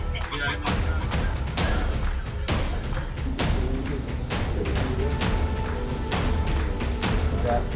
tempat ini sehingga